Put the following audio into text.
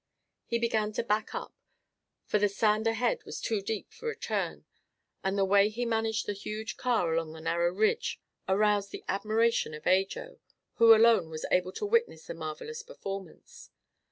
He began to back up, for the sand ahead was too deep for a turn, and the way he managed the huge car along that narrow ridge aroused the admiration of Ajo, who alone was able to witness the marvelous performance.